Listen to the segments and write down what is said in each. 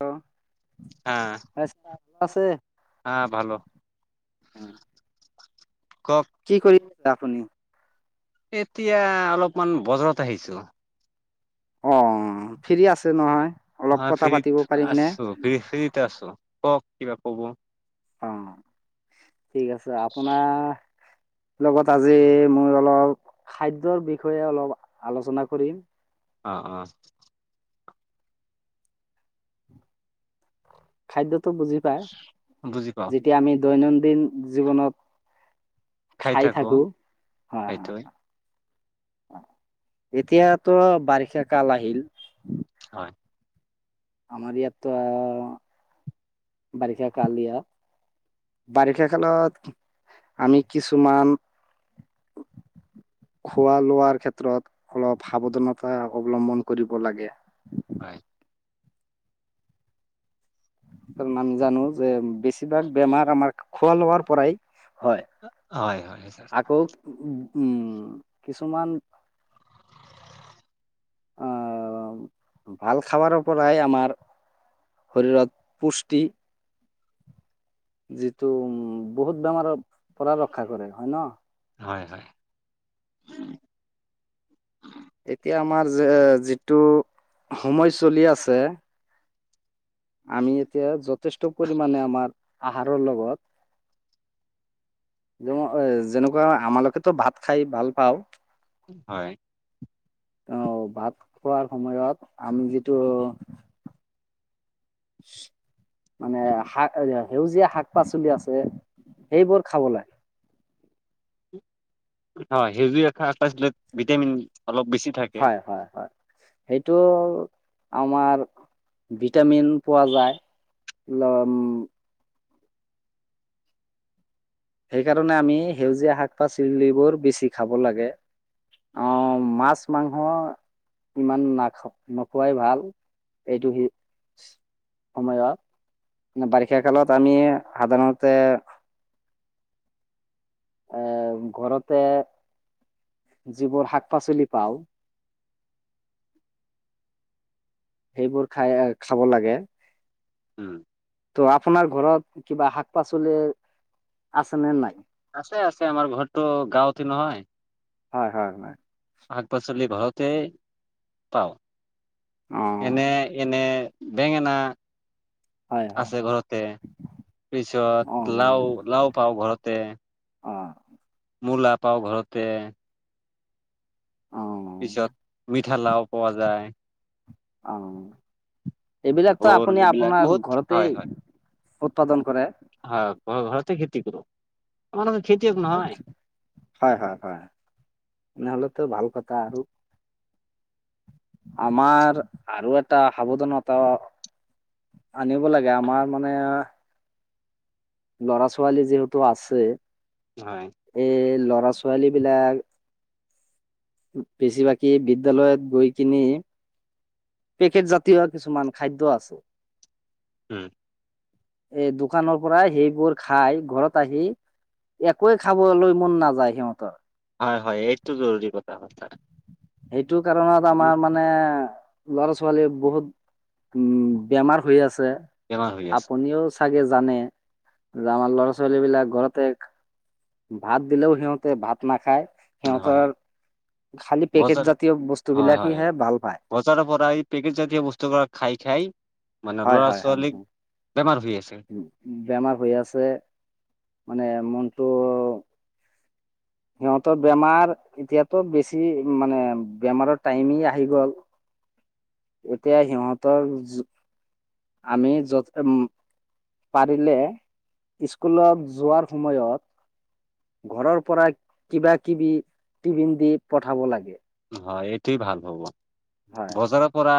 Hello আ আছে আহ ভাল, কওক? কি কৰি আপুনি? এতিয়া অলপমান বজাৰত আহিছোঁ। অ ফ্ৰী আছে নহয়, অলপ কথা পাতিব পাৰিম নে? ফ্ৰী ফ্ৰিতে আছো, কওক কিবা কব? অ, ঠিক আছে আপোনাৰ লগত আজি মই অলপ খাদ্যৰ বিষয়ে অলপ আলোচনা কৰিম। অ অ। খাদ্যটো বুজি পায় বুজি পাও যেতিয়া আমি দৈনন্দিন জীৱনত খাই থাকো, হা সেইটোৱে হা। অ এতিয়াতো বাৰিষা কাল আহিল। হয়। আমাৰ ইয়াততো, বাৰিষা কালিয়া বাৰিষা কালত আমি কিছুমান [inaudible] খোৱা লোৱাৰ ক্ষেত্ৰত অলপ সাৱধানতা অৱলম্বন কৰিব লাগে। হয়। তাৰ নাম জানো যে বিছ, বেছিভাগ বেমাৰ আমাৰ খোৱা লোৱাৰ পৰাই হয়। হয় হয় ছাৰ। আকৌ উম উ কিছুমান, আহ ভাল খাবাৰ পৰাই আমাৰ, শৰীৰত পুষ্টি। যিটো উম বহুত বেমাৰৰ পৰা ৰক্ষা কৰে, হয়ন হয় হয়। উম এতিয়া আমাৰ যে যিটো সময় চলি আছে, আমি এতিয়া যথেষ্ট পৰিমাণে আমাৰ আহাৰৰ লগত। যেনেকুৱা আমালোকেতো ভাত খাই ভাল পাওঁ। হয়। আহ ভাত খোৱাৰ সময়ত আমি যিটো, মানে শাক সেউজীয়া শাক পাচলি আছে সেইবোৰ খাব লাগে। হয় সেউজীয়া শাক-পাচলিত ভিটামিন অলপ বেছি, থাকে হয় হয় হয়। সেইটো আমাৰ ভিটামিন পোৱা যায়। লম। সেইকাৰণে আমি সেউজীয়া শাক পাচলিবোৰ বেছি খাব লাগে। অ মাছ মাংস ইমান নাখ ইমান নোখোৱাই ভাল। এইটো সি, সময়ত বাৰিষা কালত আমি সাধাৰণতে, এ ঘৰতে যিবোৰ শাক পাচলি পাও, সেইবোৰ খাই খাই খাব লাগে। উম। ত' আপোনাৰ ঘৰত কিবা শাক পাচলি আছে নে নাই? আছে আছে আমাৰ ঘৰতো গাঁৱতে নহয়, হয়, হয়, হয়। শাক পাচলি ঘৰতে পাওঁ। এনেই এনেই বেঙেনা, আছে ঘৰতে পিছত লাও লাও পাওঁ ঘৰতে। অ', মূলা পাওঁ ঘৰতে। অ'। পিছত মিঠালাও পোৱা যায়। অ'। এইবিলাকতো ভোল আপুনি এইবিলাক আপোনাৰ বহুত ঘৰতেই হয় হয় উৎপাদন কৰে? হয় ঘ ঘৰতে খেতি কৰো আমিলোক খেতিয়ক নহয়। হয়, হয়, হয় তেনেহলেতো ভাল কথা আৰু। আমাৰ আৰু এটা সাৱধানতা, আনিব লাগে আমাৰ মানে, ল'ৰা ছোৱালী যিহেতু আছে, হয়। এই ল'ৰা ছোৱালী বিলাক, বেছি ভাগেই বিদ্যালয়ত গৈ কিনে, পেকেট জাতীয় কিছুমান খাদ্য আছে। উম। এ দোকানৰ পৰা সেইবোৰ খাই ঘৰত আহি একোৱে খাবলৈ মন নাযায় সিহঁতৰ। হয়, হয় এইটো জৰুৰী কথা হয় ছাৰ। হেইটো কাৰণত আমাৰ মানে মানে ল'ৰা ছোৱালী বহুত উম বেমাৰ হৈ আছে। বেমাৰ হৈ আছে আপুনিও চাগে জানে যে আমাৰ ল'ৰা ছোৱালী বিলাক ঘৰতে ভাত দিলেও সিহঁতে নাখায়। হয় সিহঁতৰ খালি পেকেট বজাৰ জাতিয় বস্তু হয় বিলাক হয় ভাল পায়। বজাৰৰ পৰা এই পেকেট জাতীয় বস্তু বিলাক খাই খাই মানে হয় ল'ৰা হয় হয় ছোৱালীক বেমাৰ হৈ আছে। বেমাৰ হৈ আছে মানে মনটো সিহঁতৰ বেমাৰ এতিয়াতো বেছি মানে বেমাৰৰ টাইমেই আহি গ'ল। এতিয়া সিহঁতৰ আমি য'ত উম। পাৰিলে স্কুলত যোৱাৰ সময়ত ঘৰৰ পৰাই কিবা কিবি টিফিন দি পঠাব লাগে। হয় এইটোৱেই ভাল হয় হ'ব। বজাৰৰ পৰা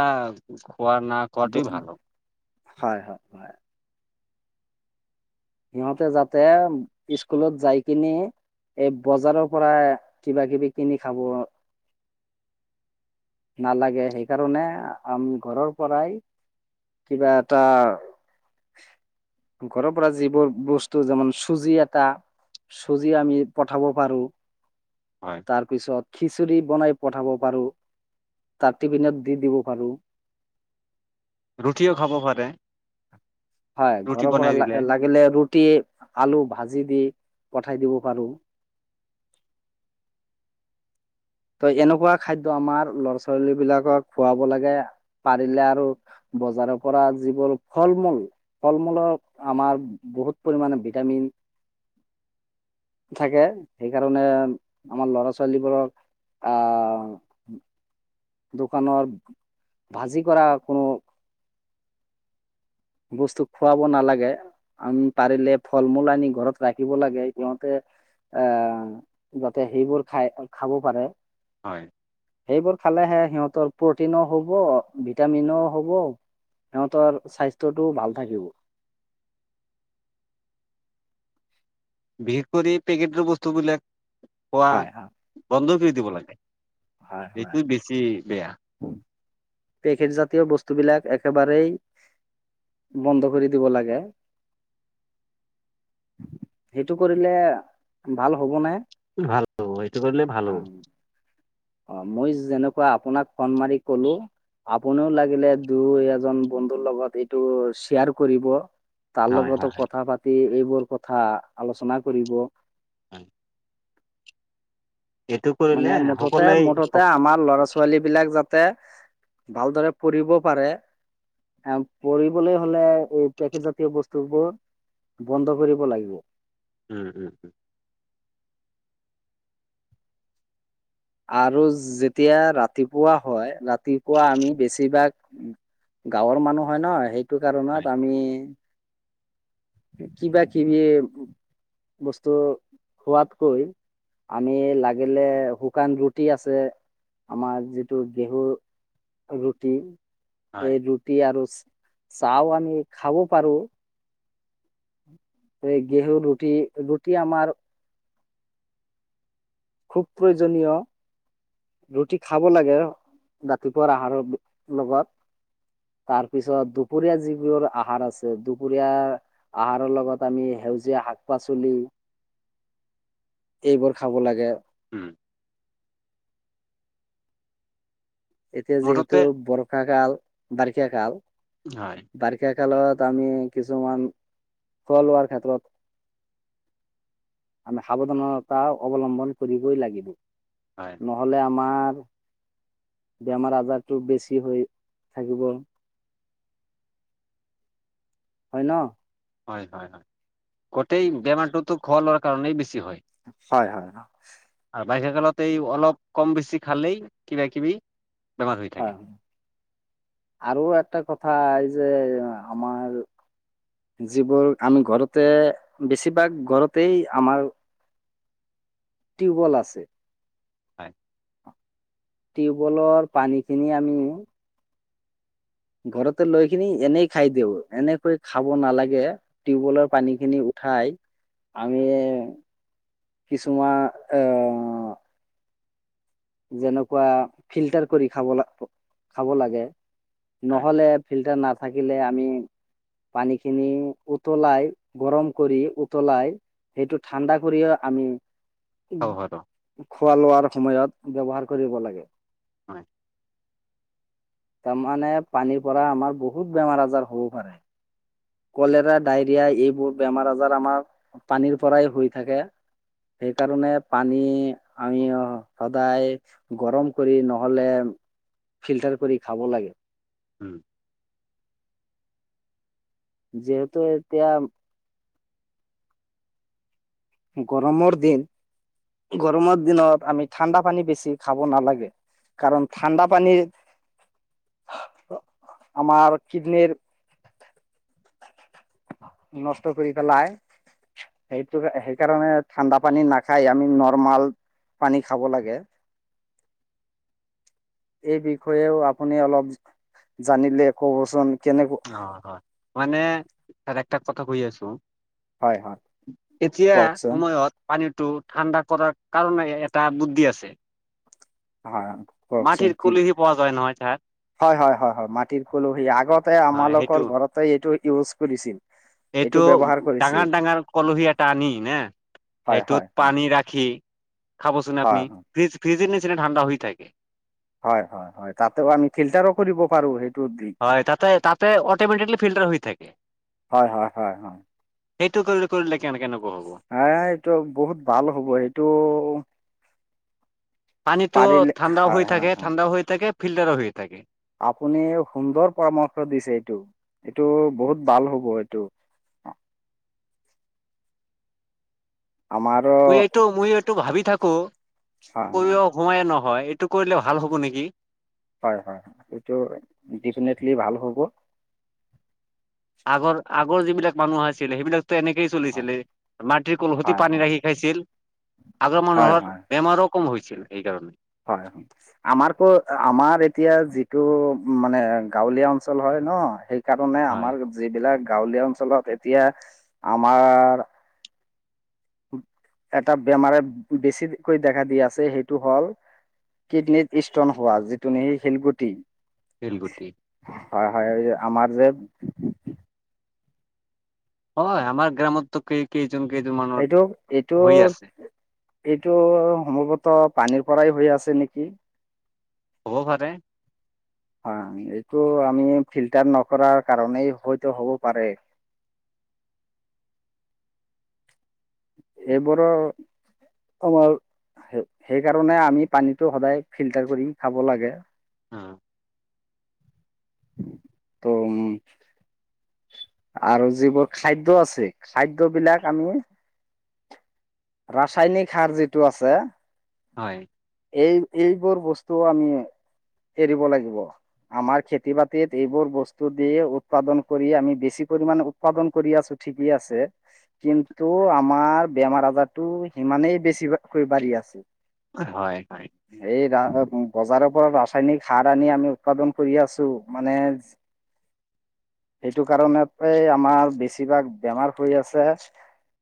খোৱা না খোৱাটোৱে ভাল হ'ব হয়, হয়, হয়। সিহঁতে যাতে স্কুলত যাই কিনে এই বজাৰৰ পৰা কিবা কিবি কিনি খাব নালাগে, সেইকাৰণে আম ঘৰৰ পৰাই কিবা এটা ঘৰৰ পৰা যি বস্তু যেন চুজি এটা চুজি আমি পঠাব পাৰো। হয়। তাৰ পিছত খিচিৰি বনাই পঠাব পাৰো তাৰ টিফিনত দি দিব পাৰো। ৰুটিও খাব পাৰে। হয় ৰুটি ঘৰৰ পৰা বনাই ল দিলে লাগিলে ৰুটি আলু ভাজি দি পঠাই দিব পাৰোঁ। ত এনেকুৱা খাদ্য আমাৰ ল'ৰা ছোৱালী বিলাকক খুৱাব লাগে পাৰিলে আৰু বজাৰৰ পৰা যিবোৰ ফল-মূল আমাৰ বহুত পৰিমামানে ভিটামিন থাকে সেইকাৰণে আমাৰ ল'ৰা ছোৱালীবোৰক অ, দোকানৰ ভাজি কৰা কোনো বস্তু খুৱাব নালাগে। আমি পাৰিলে ফল মূল আনি ঘৰত ৰাখিব লাগে সিহঁতে আহ যাতে সেইবোৰ খাই খাব পাৰে হয়। সেইবোৰ খালেহে সিহঁতৰ প্ৰটিনো হ'ব ভিটামিনও হব। সিতৰ স্বাস্থ্যটো ভাল থাকিব বিশেষ কৰি পেকেটৰ বস্তুবিলাক খোৱা হয় হয় বন্ধ কৰি দিব লাগে হয় হয়। এইটো বেছি বেয়া। পেকেট জাতীয় বস্তুবিলাক একেবাৰেেই বন্ধ কৰি দিব লাগে। সেইটো কৰিলে ভাল হব নাই। ভাল হ'ব এইটো কৰিলে ভাল হ'ব। অঁ, মই যেনেকুৱা আপোনাক ফোন মাৰি কলো। আপুনিও লাগিলে দুই এজন বন্ধুৰ লগত এইটো শ্বেয়াৰ কৰিব। তাৰ হয় লগতো হয় কথা পাতি এইবোৰ কথা আলোচনা কৰিব। হয়। এইটো কৰিলে মানে মুঠতে সকলোৱে মুঠতে আমাৰ ল'ৰা ছো ছোৱালী বিলাক যাতে ভালদৰে পঢ়িব পাৰে। পঢ়িবলৈ, হলে এই পেকেট জাতীয় বস্তুবোৰ বন্ধ কৰিব লাগিব। উম উম উম। আৰু যেতিয়া ৰাতিপুৱা হয়, ৰাতিপুৱা আমি বেছিভাগ গাঁৱৰ মানুহ হয় ন, সেইটো হয় কাৰণত আমি কিবা কিবি বস্তু খোৱাতকৈ, আমি লাগিলে শুকান ৰুটি আছে, আমাৰ যিটো গেহু ৰুটি হয় এই ৰুটি আৰু চাহ আমি খাব পাৰো। এই গেহু ৰুটি ৰুটি আমাৰ খুব প্ৰয়োজনীয়। ৰুটি খাব লাগে ৰাতিপুৱা আহাৰ লগত। তাৰ পিছত দুপৰীয়া যিবোৰ আহাৰ আছে, দুপৰীয়া আহাৰৰ লগত আমি সেউজীয়া শাক পাচলি, এইবোৰ খাব লাগে। উম। এতিয়া যিহেতু মুঠতে বৰ্ষা কাল বাৰিষা কাল হয় বাৰি ষা কালত আমি কিছুমান খোৱা লোৱা ক্ষেত্ৰত, আমি সাৱধানতা অৱলম্বন কৰিবই লাগিব। হয়। নহ'লে আমাৰ, বেমাৰ আজাৰটো বেছি হৈ থাকিব। হয় ন। হয় হয় হয়, গোটেই বেমাৰটোতো খোৱা লোৱাৰ কাৰণেই বেছি হয়। হয় হয় হয়। আৰু বাৰিষা কালতে এই অলপ কম বেছি খালেই কিবা কিবি বেমাৰ হৈ হয়, থাকে। হয় আৰু এটা কথা এই যে আমাৰ যিবোৰ আমি ঘৰতে বেছিভাগ ঘৰতেই আমাৰ টিউবল আছে। হয়। টিউবলৰ পানী খিনি আমি, ঘৰতে লৈ কিনি এনেই খাই দিওঁ, এনেকৈ খাব নালাগে টিউবৱেলৰ পানী খিনি উঠাই আমি কিছুমান অঁ যেনেকুৱা ফিল্টাৰ কৰি খাব খাব লাগে হয় নহলে ফিল্টাৰ নাথাকিলে আমি, পানী খিনি উতলাই গৰম কৰি উতলাই, সেইটো ঠাণ্ডা কৰিয়ে আমি উম, হ'ব হ'ব খোৱা লোৱাৰ সময়ত ব্যৱহাৰ কৰিব লাগে। হয়। তাৰ মানে পানীৰ পৰা আমাৰ বহুত বেমাৰ- আজাৰ হ'ব পাৰে। কলেৰা, ডায়ৰিয়া এইবোৰ বেমাৰ - আজাৰ আমাৰ পানীৰ পৰাই হৈ থাকে। সেইকাৰণে পানী আমি সদায় গৰম কৰি নহলে ফিল্টাৰ কৰি খাব লাগে। উম। যিহেতু এতিয়া গৰমৰ দিন, গৰমৰ দিনত আমি ঠাণ্ডা পানী বেছি খাব নালাগে। কাৰণ ঠাণ্ডা পানীৰ আমাৰ কিডনিৰ নষ্ট কৰি পেলাই, সেইটোকে সেই কাৰনে ঠাণ্ডা পানী নাখায়, আমি নৰ্মেল পানী খাব লাগে। এই বিষয়েও আপুনি অলপ জানিলে কবচোন কেনে অ হয় মানে আৰু এটা কথা কৈ আছো। হয় হয় এতিয়া কওকচোন। সময়ত পানীটো ঠাণ্ডা কৰাৰ কাৰণে এ এটা বুদ্ধি আছে। হয়। কওকচোন মাটিৰ কি কলিহি পোৱা যায় নহ হয় হয় হয় হয়, মাটিৰ কলহি আগতে আমাৰ হয় সেইটো লোকৰ ঘৰতে এইটো ইউজ কৰিছিল। এইটো ব্যৱহাৰ কৰিছিল ডাঙৰ - ডাঙৰ কলহী এটা আনি নে? হয় সেইটোত হয় হয় পানী ৰাখি খাবচোন আপুনি, হয় হয় ফ্ৰিজ, ফ্ৰিজৰ নিচিনা ঠাণ্ডা হৈ থাকে। হয় হয় হয় তাতেও আমি ফিল্টাৰো কৰিব পাৰো সেই হয় তাতে তাতে অট'মেটিকলি ফিল্টাৰ হৈ থাকে। হয় হয় হয় হয় সেইটো কৰিলে কৰিলে কেনেকুৱা নক হ'ব? হ এইটো বহুত ভাল হ'ব এইটো পানীটো পাৰিলে ঠাণ্ডাও হৈ হয় হয় থাকে, হয় ঠাণ্ডা হৈ থাকে ফিল্টাৰ হৈ থাকে। আপুনি সুন্দৰ পৰামৰ্শ দিছে এইটো, এইটো বহুত ভাল হব এইটো। আমাৰ মই এইটো মই এইটো ভাবি থাকোঁ, হয় [unintelligible] সময়ে নহয় এইটো কৰিলে ভাল হ'ব নেকি? হয় হয় হয় সেইটো ডেফিনেটলি ভাল হ'ব। আগৰ আগৰ যিবিলাক মানুহ আছিল সেইবিলাক ত এনেকেই হয় চলিছিলে, মাটিৰ কলহতে হয় হয় পানী ৰাখি খাইছিল। আগৰ হয় মানুহৰ বেমাৰো কম হৈছিল সেইকাৰণে। হয় হয়। আমাৰ ক আমাৰ এতিয়া যিটো মানে গাঁৱলীয়া অঞ্চল হয় ন সেই কাৰণে হয় আমাৰ যিবিলাক গাঁৱলীয়া অঞ্চলত এতিয়া আমাৰ এটা বেমাৰে বেছি কৈ দেখা দি আছে সেইটো হ'ল কিডনীত ষ্টন হোৱা যিটো নেকি শিলগুটি। শিলগুটি। হয় হয় এই আমাৰ যে হয় আমাৰ গ্ৰামততো কেই কেইজন কেইজন মানুহৰ এইটো এইটো হৈ আছে। এইটো সম্ভৱতঃ পানীৰ পৰাই হৈ আছে নেকি? হ'ব পাৰে। হয় এইটো আমি ফিল্টাৰ নকৰাৰ কাৰণেই হয়তো হ'ব পাৰে। এইবোৰ আমাৰ, সে-সেইকাৰণে আমি পানীটো সদায় ফিল্টাৰ কৰি খাব লাগে। অ'। ত' আৰু যিবোৰ খাদ্য আছে খাদ্যবিলাক আমি ৰাসায়নিক সাৰ যিটো আছে হয়। এই এইবোৰ বস্তু আমি এৰিব লাগিব। আমাৰ খেতি বাতিত এইবোৰ বস্তু দি উৎপাদন কৰি আমি বেছি পৰিমাণে উৎপাদন কৰি আছোঁ ঠিকেই আছে কিন্তু আমাৰ বেমাৰ আজাৰ ত' সিমানেই বেছিভা বাঢ়ি আছে। হয় হয়। এই ৰা বজাৰৰ পৰা ৰাসায়নিক সাৰ আনি আমি উৎপাদন কৰি আছোঁ মানে সেইটো কাৰণতে আমাৰ বেছিভাগ বেমাৰ হৈ আছে।